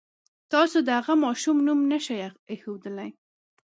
تاسو د هغه ماشوم نوم نه شئ اېښودلی.